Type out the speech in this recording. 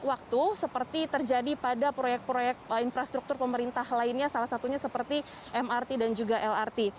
waktu seperti terjadi pada proyek proyek infrastruktur pemerintah lainnya salah satunya seperti mrt dan juga lrt